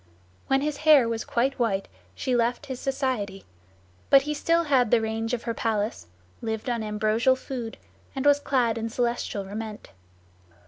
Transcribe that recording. When his hair was quite white she left his society; but he still had the range of her palace, lived on ambrosial food, and was clad in celestial raiment.